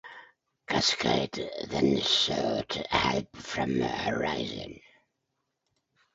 Cascade then sought help from Horizon.